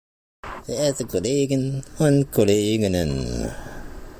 Verehrte Kollegen und Kolleginnen!